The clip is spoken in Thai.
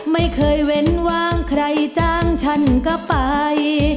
ไม่เคยเว้นวางใครจ้างฉันก็ไป